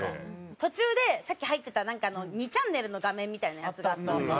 途中でさっき入ってた２ちゃんねるの画面みたいなやつがあった。